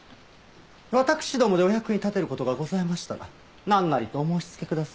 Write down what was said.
わたくしどもでお役に立てる事がございましたらなんなりとお申し付けください。